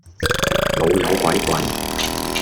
老友鬼鬼